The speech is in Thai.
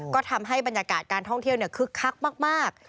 ก็ทำให้บรรยากาศการท่องเที่ยวคึกคักมาก